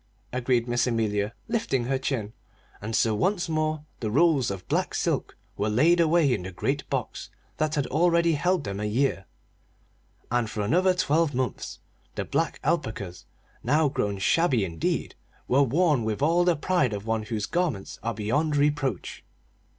agreed Miss Amelia, lifting her chin. And so once more the rolls of black silk were laid away in the great box that had already held them a year; and for another twelve months the black alpacas, now grown shabby indeed, were worn with all the pride of one whose garments are beyond reproach.